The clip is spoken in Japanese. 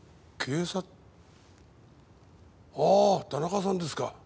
警察ああ田中さんですか。